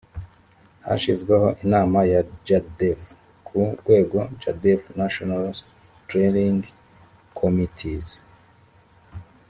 hashyizweho inama ya jadf ku rwego jadf national steering committee is